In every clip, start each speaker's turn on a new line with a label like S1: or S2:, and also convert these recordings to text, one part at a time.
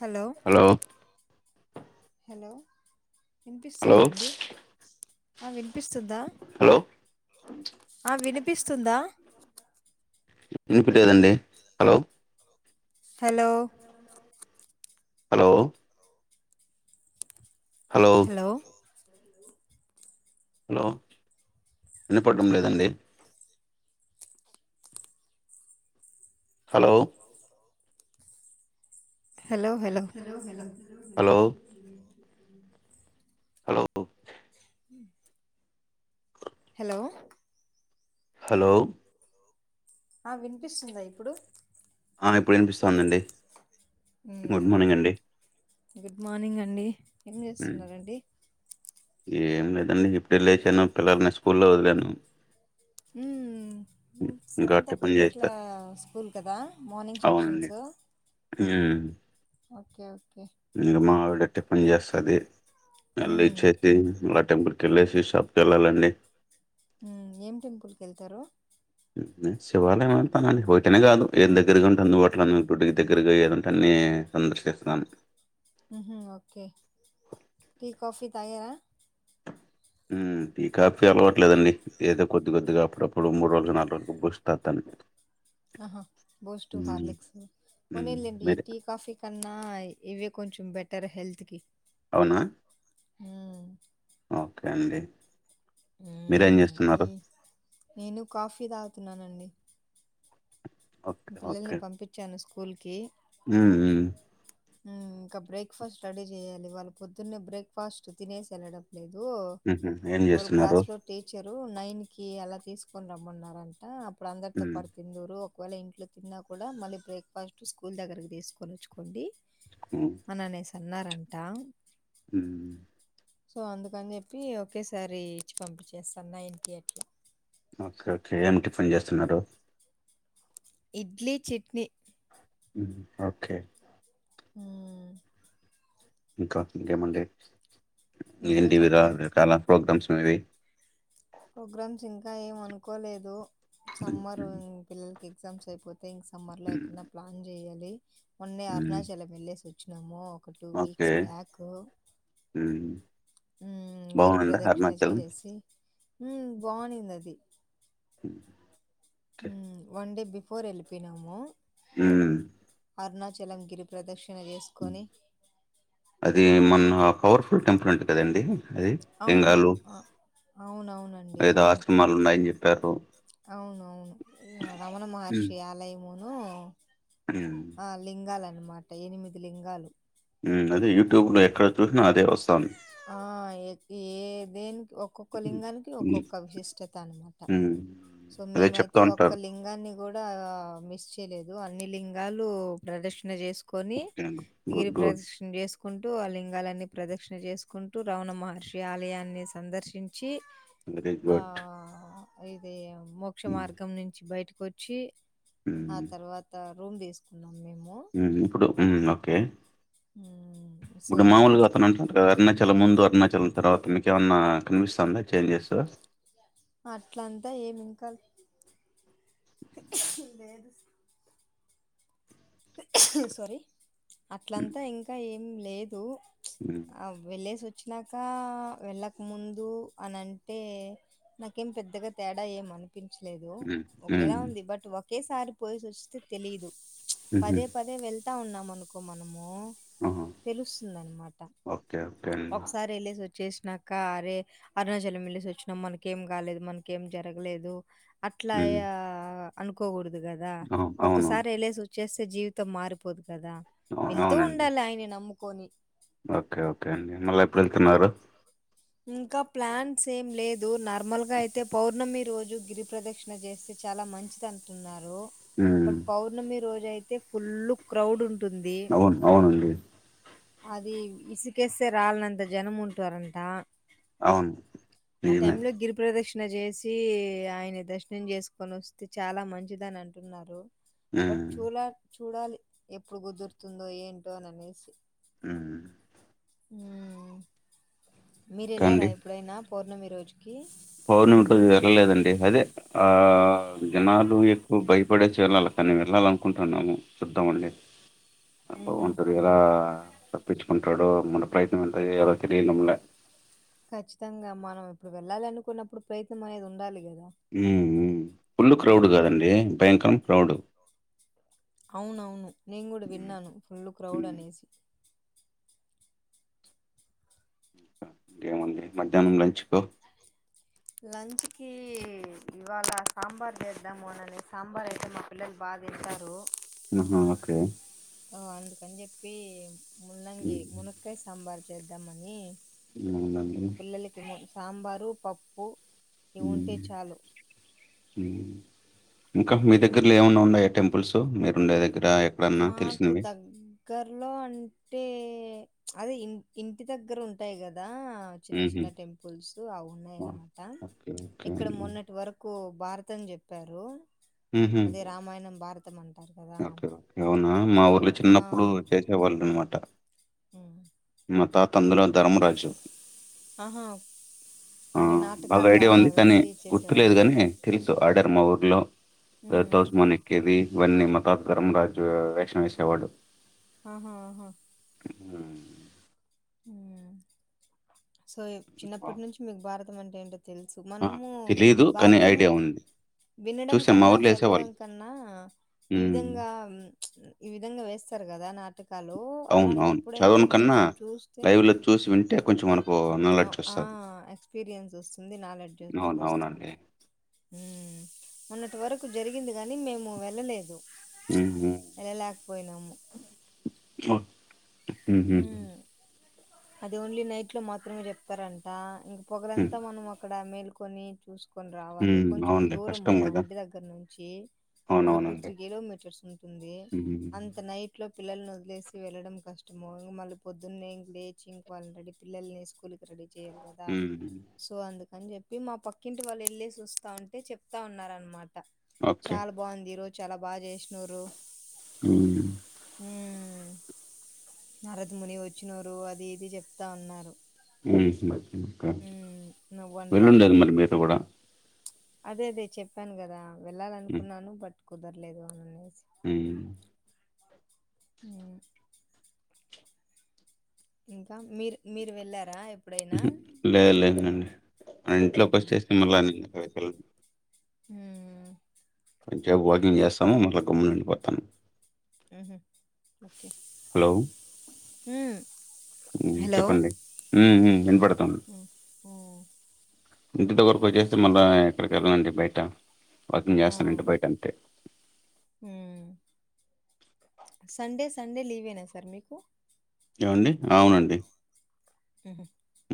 S1: Hello hello
S2: hello
S1: వినిపిస్తూదండి ఆ వినిపిస్తుందా
S2: హలో
S1: ఆ వినిపిస్తుందా
S2: వినిపియాలేదండి hello
S1: hello
S2: hello
S1: hello
S2: hello వినపడ్డం లేదండి హలో
S1: హలో హలో హ
S2: హలో
S1: అ
S2: హలో
S1: [inaudible] హలో
S2: హలో
S1: ఆ వినిపిస్తుందా ఇప్పుడు
S2: ఇప్పుడు వినిపిస్తుందండి గుడ్
S1: మ్మ్
S2: మార్నింగ్ అండి
S1: గుడ్ మార్నింగ్ అండి ఎం
S2: ఉమ్,
S1: చేస్తున్నారండి.
S2: ఏం లేదండి ఇప్పుడే లేచాను. పిల్లల్ని స్కూల్లో వదిలాను.
S1: ఊ
S2: ఇంకా
S1: సెవెన్
S2: టిఫిన్
S1: థర్టీకే
S2: చేస్తా
S1: క్లా స్కూల్ కదా మార్నింగ్ సెక్షన్సు.
S2: జ్ఞా
S1: ఓకే ఓకే
S2: ఇంగ మావిడ టిఫన్ చేస్తది అల్లే
S1: మ్మ్
S2: చెత్తి మా టెంపుల్ వెళ్లేసి షాప్కి వెళ్ళాలండి.
S1: ఊ ఏం టెంపుల్కి ఏళ్తారు?
S2: శివాలయం అంటానండి ఒకటనే కాదు ఏది దగ్గరగా ఉంటుంది వాట్లన్న గుడి దగ్గరగా ఏదంటా అన్ని సందర్శిస్తాను.
S1: మ్మ్ హు అయా
S2: ఊ టీ కాఫీ అలవట్లేదండి. ఏదో కొద్ది కొద్దిగా అప్పుడప్పుడు మూడు రోజులు నాలుగు రోజుకి బూస్ట్ తాగుతాను.
S1: ఆహా బూస్ట్,
S2: హ్మ్.
S1: హార్లిక్స్ పోనీ
S2: హ్మ్.
S1: లెండి ఈ
S2: మీరే
S1: టీ, కాఫీ కన్నా ఇవే కొంచెం బెట ఏర హెల్త్కి
S2: అవునా ఓకే అండి మీరేం
S1: ఊహు
S2: జేస్తున్నారు?
S1: నేను కాఫీ తా నానండి పిల్లల్ని పంపించాను స్కూ కొల్కి
S2: ఊ ఉ
S1: ఊ ఇంకా బ్రేక్ఫాస్ట్ రెడీ చేయాలి వాళ్ళ పొద్దున్నే బ్రేక్ఫాస్ట్ తినేసెల్లడం. ఏదో
S2: హుహు. ఏం
S1: వారు
S2: జేస్తున్నారు?
S1: క్లాస్ లో టీచరు నైన్ కి అలా తీసుకొని రమ్మన్నారంట. అప్న ఇప్పుడు అందరితో
S2: హ్మ్.
S1: పడి తిందరు. ఒకవేళ ఇంట్లో తిన్నా కూడా మళ్ళీ బ్రేక్ఫాస్ట్ స్కూల్ దగ్గరకి తీసుకొని వచ్చుకోండి.
S2: హ్మ్.
S1: అనానేస్ తిన్నారంటా
S2: ఉ
S1: సో అందుకని చెప్పి ఒకేసారి ఇచ్చి పంపి చేస్తా నైన్ కె
S2: ఓకే ఓకే ఏమిటి పని చేస్తున్నారు?
S1: ఇడ్లీ చట్నీ
S2: ఓకే
S1: ఊ
S2: ఇంకా ఏమండి
S1: ఇంకా
S2: ఏంటివి ర
S1: చెప్పాల్సి
S2: రకాల ప్రోగ్రామ్స్ అనేవి
S1: ప్రోగ్రామ్స్ ఇంకా ఏం అనుకోలేదు
S2: హ్మ్.
S1: సమ్మర్న్ పిల్ల ఎగ్జామ్సైపోత్. తే ఇంక్ సమ్మర్ లో
S2: హ్మ్.
S1: ఎక్కన్న ప్లాన్ జెయ్యాలి. మొన్నే
S2: హ్మ్.
S1: అరుణాచలమెల్లేసొ. చ్చినాము ఒక టూ
S2: ఓకే.
S1: Weeks back.
S2: హ్మ్.
S1: ఉమ్ గిరి
S2: బావుందా
S1: ప్రదక్షిణ
S2: అరుణాచలం?
S1: జేసేసి. ఉమ్ బాగున్నిందది.
S2: ఓకే.
S1: ఉమ్ వన్ డే బి ఫోరెల్లిపోయ్నాము.
S2: ఉమ్
S1: అర్ణాచలం గిరి ప్ర్రదష్.
S2: ఉమ్ అది మన్వ పవర్ఫుల్ టెంపులంట కదండీ. అది
S1: ఔను
S2: లింగాలు
S1: అ ఔనవునండి
S2: ఏదో
S1: అవును
S2: ఆశ్రమాలు ఉన్నాయని జెప్పారు.
S1: ఏదో ఆశ్రామాలున్నాయంట ఔను ఔను రమణ
S2: హ్మ్.
S1: మహర్షి ఆలయము. ఉ
S2: హ్మ్.
S1: ఆ లింగాల న్మాట ఎనిమిది లింగాలు.
S2: ఉమ్ అదే యూట్యూబ్ లో ఎక్కడ చూష్నా అదే వస్తాంది.
S1: ఆ ఎ ఏ ఏ దేన్కి ఒక్కొక్క లింగానికి
S2: హ్మ్.
S1: ఒక్కొక్క విశిష్టత అన్మాట
S2: హ్మ్.
S1: సొ
S2: అదే చెప్తా
S1: మేమైతే ఒక్క
S2: ఉంటారు.
S1: లింగాన్ని గూడా మిస్. తెలేదు అన్ని లింగాలు ప్రదక్షిణ జేస్. కొని
S2: ఓకే అండి. గుడ్,
S1: గిరి
S2: గుడ్.
S1: ప్రదష్ణ్ జేస్. కుంటూ ఆ లింగాలన్నీ ప్రదక్షిణ జేస్. కుంట రవణమహర్షి ఆలయాన్ని సందర్శించి.
S2: వెరిగుడ్
S1: అ ఇదీ మ్ మోక్షమార్గం నించి బైట్. వచ్చి ఆ తరువాత రూమ్ తీసుకున్నాం మేము
S2: ఆ ఇప్పుడు ఓకే
S1: ఆ
S2: ఇప్పుడు మామూలుగా అతను అంటు ఉంట కదా అరుణాచల్ ముందు అరుణాచల్ తర్వాత మీకేమన్నా కనిపిస్తాందా చేంజ్సు
S1: అట్లంతా ఏమి ఇంకాల్ సరి
S2: హ్మ్.
S1: అట్లంతా ఇంకా ఏ లేదు
S2: హ్మ్.
S1: ఆ వెళ్ళసి వాచ్ వచ్చినాక వెళ్ళక ముందు అని అంటే నాకేం పెద్దగా తేడ ఏమనిపి పపించలేదు
S2: హ్మ్.
S1: ఒక
S2: హ్మ్.
S1: ఎలా ఉంది బట్ ఒక ఒకేసారి పోసి వస్తే తెలీదు
S2: హుహు.
S1: పదే పదే వెళ్ ఇస్తా ఉన్నాం అనుకో మనము
S2: ఆహా!
S1: తెలుస్తుందనమాట
S2: ఓకే. ఓకే అండి.
S1: ఒకసారి వెళ్ళసి వచ్చి చేసినాక అరే అరుణాచలం వెళ్లేసి వచ్చినాం మనకేం కాలేదు మనకేం జరగలేదు అట్లా ఏ
S2: హ్మ్.
S1: ఆ అనుకోకూడదు కదా
S2: అవును. అవునవును.
S1: ఒక్కసారి వెళసి చేస్ జీవితం మారిపోదు కదా
S2: అవు-
S1: వెళ్తూ
S2: అవునండి.
S1: ఉండాలి అయన నమ్ పోని
S2: ఓకే ఓకే అండి మళ్ళీ ఎప్పుడు వెళ్తున్నారు
S1: ఇంకా ప్లాన్ ఏం లేదు నార్మల్ ఇ అయితే పౌర్ణమి రోజు గిరి ప్రదక్షిణ చేస్తే చాలా మంచిది అంటున్నారు
S2: ఉమ్
S1: బట్ పౌర్ణమి రోజైతే లే ఫుల్లు క్రౌడ్ ఉంట
S2: అవును అవునండి
S1: అది ఇసుకేస్తే రాలనంత జనం ఉంటరంట
S2: అవును
S1: ఆ
S2: నిజమే
S1: టైమ్ లో గిరి ప్రదేశం ణ జేసి ఆయని దర్శనం జేస్కొనొస్తే చాలా మంచిదనంటున్నారు. బట్
S2: ఉమ్
S1: చోలార్చ్. చూడాలి ఎప్పుడు గుదుర్తుందో ఏంటో ననేసి.
S2: ఉమ్
S1: ఉమ్ మీరెళ్ళారా
S2: కండి
S1: ఎప్పుడైనా. పౌర్ణమి రోజుకి.
S2: పౌర్ణమి రోజు వెళ్ళలేదండి అదే ఆ జనాలు ఎక్కువ భైపడేసి వెళ్ళాల కానీ వెళ్ళాలనుకుంటున్నాము చుద్దామండి.
S1: హుహు.
S2: బాగుంటది కదా తప్పించ్ అంటాడో మన ప్రయత్నం ఎంత చేయాలో తెలియడం లే
S1: ఖచ్చితంగా మనం ఇప్పుడు వెళ్ళాలి అనుకున్నప్పుడు ప్రయత్నం అనేది ఉండాలి కదా
S2: ఉ ఉ ఫుల్ క్రౌడ్ కాదండి భయంకరం క్రౌడు
S1: అవునవును నేను కూడా విన్నాను ఫుల్ క్రౌడ్
S2: ఉమ్
S1: అనేసి
S2: ఇంకేముంది మధ్యాహ్నం లంచ్ కో
S1: లంచ్ కి ఇవాళ సాంబార్ చేద్దాము అనేసి సాంబార్ అయితే మా పిల్లలు బాగాతింటారు
S2: ఉహు ఓకే
S1: అందుకని చెప్పి ముల్లంగి
S2: ఉమ్
S1: మునుక్కయ సాంబార్ చేద్దామని
S2: అవున అండి
S1: మా పిల్లలకి ము సాంబారు పప్పు ఇవుంటే చాలు
S2: హు ఇంకా మీ దగ్గరలో ఏమన్నా ఉండయా టెంపుల్స్ మీరు ఉండే దగ్గ
S1: మాకు దగ్గరలో అంటే అదే ఈ ఇంటి దగ్గర ఉంటాయి కదా ఆ చిన్న
S2: హుహు.
S1: చిన్న టెంపుల్స్ అ ఉన్నాయ
S2: ఓహ్!
S1: అన్నమాట
S2: ఓకే. ఓకే
S1: ఇక్కడ
S2: అండి.
S1: మొన్నటి వరకు భారతం చెప్పారు
S2: హుహు.
S1: అదే రామాయణం భారతం అంట తరు గదా
S2: ఓకే. ఓకే. అవునా మా ఊర్లో చిన్నప్పుడు చేసేవాళ్ళు అనమాట
S1: ఉ
S2: మా తాత అందులో ధర్మరాజు
S1: ఆహా!
S2: ఆ
S1: అంటే
S2: బాగా ఐడియా
S1: నాటకాల్లాగా
S2: ఉంది కానీ
S1: వేసి
S2: గుర్తులేదు
S1: చేసేవాళ్ళు.
S2: గాని తెలుసు ఆర్డర్ మా ఊరు లో [unintelligible]
S1: హ్మ్.
S2: స్మాన్ ఎక్కేది వన్నె మ ప్రాగరం రాజు వేషం వేసేవాడు
S1: ఆహా ఆహా
S2: హ్మ్.
S1: ఊ సో చిన్నప్పటి నుంచి మీకు భారత తం అంటే ఏంటో తెలుసు
S2: ఆ!
S1: మనము
S2: తెలీదు కానీ
S1: భారతం
S2: ఐడియా ఉంది.
S1: వినడం
S2: చూసాం మా
S1: కన్నా
S2: ఊర్లో
S1: చదవడం
S2: ఏసేవాళ్ళు.
S1: కన్నా ఈ
S2: హ్మ్.
S1: విధంగా మ్మ్ ప్చ్ ఈ విధంగా వేస్సారు గదా నా టకాలు
S2: అవును. అవును.
S1: అలాంటప్పుడు అయితే
S2: చదవను కన్నా
S1: కొంచం చూస్ తె,
S2: లైవ్‌లో చూసి వింటే కొంచెం మనకు
S1: ఓ
S2: నాలెడ్జ్
S1: ఆ
S2: వస్తది.
S1: ఎక్స్పీరియన్స్ వస్సుంది
S2: అవును.
S1: నాలెడ్జొనేది వస్తుంది.
S2: అవునండి.
S1: హు మొన్నటి వరకు జరిగింది గాని మేము వెళ్ళలేదు.
S2: హుహు.
S1: ప్చ్ ఎల్లలేకపొయ్ నాము.
S2: వ హుహు
S1: అది ఓన్లీ నైట్లో మాత్రమే జెప్తారంట ఇం
S2: హ్మ్.
S1: ప్పొగరంతా మనం ఒక్ క్కడ మేల్కొని చూస్ కొన్ రావాలి
S2: హ్మ్.
S1: కొంచెం
S2: అవునులే.
S1: దూరము
S2: కష్టం
S1: మా
S2: గదా!
S1: ఇంటి దగ్గర నుంచి, ఒక టూ,
S2: అవునవునండి.
S1: త్రీ గిలోమీటర్స్ ఉంటుంది.
S2: హ్మ్.
S1: అంత నైట్లో పిల్లల్ను ఒద్లేసి వెళ్లడం క తుమోగ్ మళ్ళి పొద్దున్నే ఇం లేచి ఇంక్ వాళ్ళ్ని రెడి పిల్లల్ని స్కూల్కి రెడీ చేయల్ కదా
S2: హ్మ్.
S1: సో అందు అని చెప్పి మా పక్కింటి వాళ్ళు ఎళ్ళెసి వస్తాంటే చెప్తా ఉన్నారన్ మా ట
S2: ఓకే.
S1: చాలా బావుంద్ ఈ రో చాలా బా జెస్నొరు.
S2: ఉ
S1: ఉ నరద్ ముని వచ్చ్నోరు అది ఇది చెప్తా ఉన్నారు.
S2: ఉహు ఇంక
S1: ఉమ్, నువ్వంట
S2: వెల్లుండేది మరి మీరు కూడా
S1: అదే అదే చెప్పాన్ గదా‌. వెళ్ళాలనుకున్నాను బట్ కుదర్లేదు అనిననేస్
S2: హు
S1: హు ఇంకా మీర్ మీరు వెళ్ళారా. ఎప్పుడైనా
S2: ఉహు లే లే నంని ఆ ఇంట్లో ఫ్రస్
S1: ఉమ్,
S2: స్టేషన్ మళ్ళా ఎందుకులే పొయెది పిల్ల
S1: ఊ
S2: కొంచేప్ వాకింగ్ చేస్సము మళ్ళ గమ్మునుండి ప తం
S1: ఉహు ఓకే
S2: హలో
S1: ఉమ్,
S2: ఉ
S1: హలో
S2: చెప్పండి ఉఉ ఇన్ పడద్ కం
S1: ఉమ్, ఉమ్,
S2: ఇంటితొ వరకు అయ్
S1: ఉమ్,
S2: చ్చేస్సం మళ్ళా అండి బయట వాకింగ్
S1: ఆ,
S2: చేస్తానండి బయటంతే
S1: సండే సండే లీవేనా సార్ మీకు
S2: ఏవండి అవునండి
S1: హహ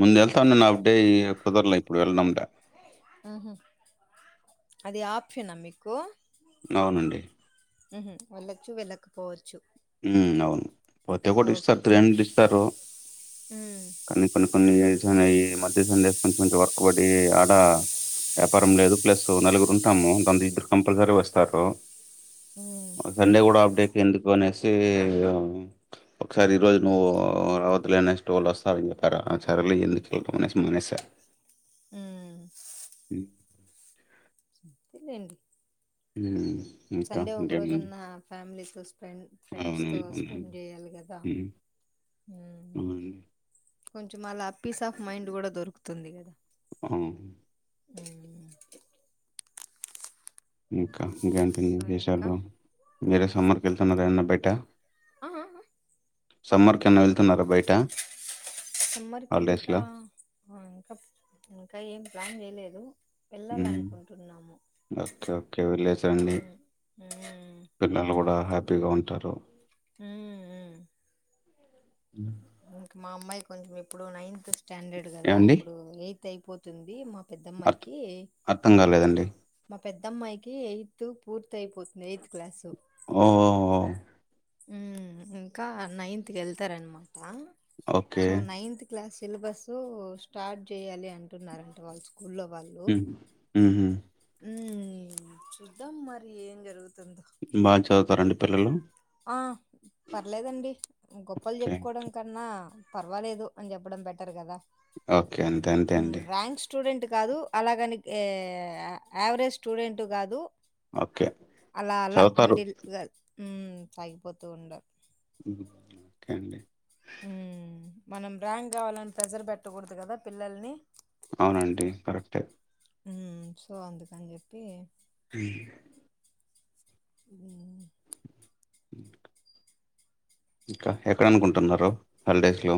S2: ముందు వెళ్తన్నాను హాఫ్డే కుదరలే ఇప్పుడు [unintelligible]
S1: ఆహా అది ఆప్షనా మీకు
S2: అవునండి
S1: వెళ్ళొచ్చు వెళ్లకపోవచ్చు
S2: ఉ అవును ప్రతి ఒకటి ఇస్తరు
S1: ఓకే
S2: త్రీ హండ్రెడ్ ఇస్తారు
S1: హ్మ్
S2: కానీ కొన్ని కొన్ని చమే ఈ మధ్య కొంచం మంచి మంచి వర్క్బడ్డీ ఆ వ్యాపారం లేదు ప్లస్ నలుగురు ఉంటాము దా ఇద్దరు కంపల్సరీ వస్తారు
S1: హ్మ్
S2: సండే కూడా హాఫ్డే ఎందుకు అనేసి తే ఒకసారి ఈ రోజు నువ్వు రావొద్దు లే అనేసి ఎవలో వస్తారని చెప్పారు సరలే ఎందుకు వెళ్ళటం అనేసి మానేస
S1: ఉ
S2: అ
S1: తెలేండి
S2: ఉమ్, ఇంకా
S1: సండే ఒక
S2: ఇంకేముంది
S1: రోజన్న ఫ్యామిలీతో స్పెండ్ ఫ్రెండ్స్ తో
S2: అవునవును అవునండి
S1: స్పెండ్ చేయాలి కదా
S2: ఉమ్. అవునండి
S1: కొంచం అలా పీస్ ఆఫ్ మైండ్ కూడా దొరుకుతుంది కదా
S2: ఆ
S1: ఆమ్
S2: ఇంకా ఇంకేమండి
S1: సో ఇంకా
S2: విషయాలు మీరే సమ్మర్కి వెళ్తున్నారా ఏమన్నా బయట
S1: ఆ ఆ ఆ
S2: సమ్మర్ కేమైనా వెళ్తున్నారా బయట
S1: సమ్మర్కి ఇంకా
S2: హాలిడేస్‌లో?
S1: ఇంకా ఇంకా ఇంకా ఏం ప్లాన్ చేయలేదు వెళ్లాలనుకుంటున్నాము
S2: [unintelligible] అండి పిల్లలు కూడా హ్యాపీ హ్యాపీగా ఉంటారు
S1: హ
S2: అ
S1: మా అమ్మాయి కొంచెం ఇప్పుడు నైన్త్ స్టాండర్డ్ కదా ఇప్పుడు ఎయిత్ అయిపోతుంది మా
S2: అర్
S1: పెద్దమ్మాయికి
S2: అర్థం కాలేదండి
S1: మా పెద్దమ్మాయికి ఎయిత్ పూర్తి అయిపోతుంది ఎయిత్ క్లాసు
S2: ఓ ఓ ఓ
S1: ఊ ఇంకా నైన్త్కి కెళ్తారనమా ఆ
S2: okay.
S1: So ninth class syllabus start చేయ్యాలి అంటున్నారంట వాళ్ళు స్కూల్లో వాళ్ళు
S2: హ్మ్. హుహు.
S1: హ్మ్ హ్మ్ చూద్దాం మరి ఏం జరుగు
S2: బా చద్ తారండి పిల్లలు
S1: ఆ పర్లేదండి గొప్పలు
S2: ఓకే.
S1: చెప్పుకోవడం కన్నా పర్వాలేదు అని చెప్పడం బెటర్ కదా
S2: ఓకే అంతే అంతే
S1: హ్మ్.
S2: అండి
S1: ర్యాంక్ స్టూడెంట్ కాదు అలాగని యావరేజ్ స్టూడెంటు కాదు
S2: ఓకే.
S1: అలా అలా
S2: చదువుతారు.
S1: మిడిల్ గల్ హ్మ్ సాగిపోతూండ
S2: హ్మ్ ఓకే అండి
S1: హ్మ్ మనం ర్యాంక్ కావాలని ప్రెజర్ పెట్టకూడదు కదా పిల్లల్ని
S2: అవునండి కరెక్టే
S1: హ్మ్ సో అందుకని చెప్పి
S2: అ
S1: ఇ
S2: ఇంకా ఎక్కడ అనుకుంటున్నారు హాలిడేస్లో